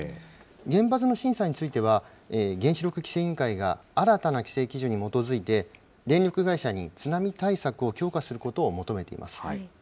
原発の審査については、原子力規制委員会が、新たな規制基準に基づいて、電力会社に津波対策を強化することを求めています。